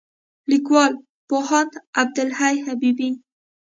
لیکوال: پوهاند عبدالحی حبیبي